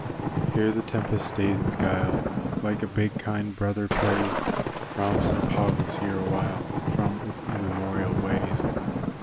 Here the tempest stays its guile, Like a big kind brother plays, Romps and pauses here awhile From its immemorial ways.